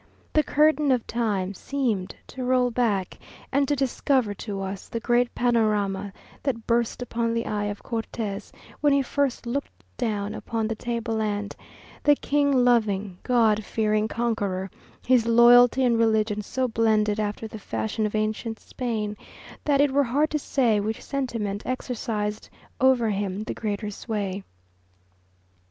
The curtain of Time seemed to roll back, and to discover to us the great panorama that burst upon the eye of Cortes when he first looked down upon the table land; the king loving, God fearing conqueror, his loyalty and religion so blended after the fashion of ancient Spain, that it were hard to say which sentiment exercised over him the greater sway.